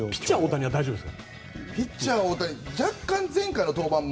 ピッチャー大谷は大丈夫ですか。